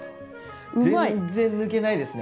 全然抜けないですね。